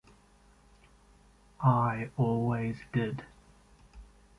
I always did.